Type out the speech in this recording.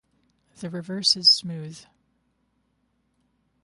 The reverse is smooth.